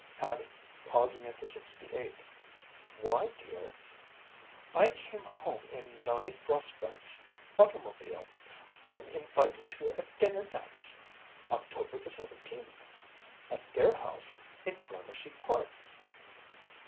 Hattie, pausing at the sixty eighth, "Why, dear?" "I came home in Nonie Grosbeck's automobile. I'm invited to a dinner dance October the seventeenth. At their house in Gramercy Park."